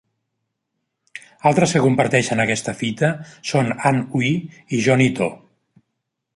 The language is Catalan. Altres que comparteixen aquesta fita són Ann Hui i Johnnie To.